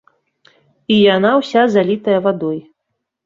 І яна ўся залітая вадой.